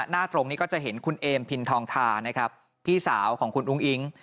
หน้าตรงนี้ก็จะเห็นคุณเอมพินทองทานะครับพี่สาวของคุณอุ้งอิ๊ง